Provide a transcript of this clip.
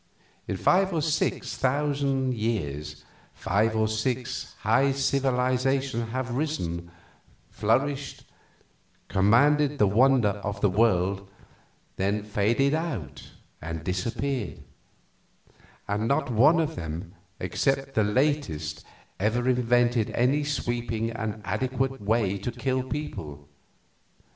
In five or six thousand years five or six high civilizations have risen, flourished, commanded the wonder of the world, then faded out and disappeared; and not one of them except the latest ever invented any sweeping and adequate way to kill people.